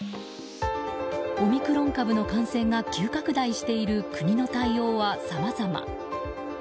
オミクロン株の感染が急拡大している国の対応はさまざま。